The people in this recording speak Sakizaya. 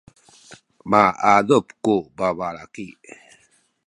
miadup ku babalaki.